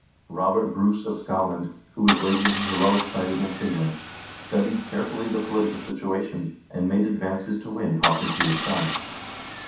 Robert Bruce of Scotland, who was waging his heroic fight against England, studied carefully the political situation, and made advances to win Haakon to his side.